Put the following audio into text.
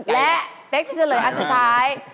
และเป๊กจะเฉลยอันสุดท้าย